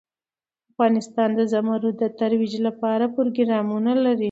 افغانستان د زمرد د ترویج لپاره پروګرامونه لري.